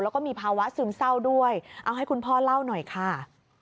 แล้วก็มีภาวะซึมเศร้าด้วยเอาให้คุณพ่อเล่าหน่อยค่ะ